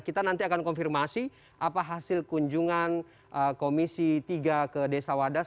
kita nanti akan konfirmasi apa hasil kunjungan komisi tiga ke desa wadas